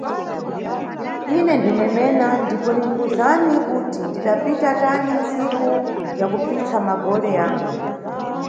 Ine ndine Mena ndipo ninkuwuzani kuti ndidapita tani ntsiku ya kupfitsa magole yangu